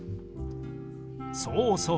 そうそう。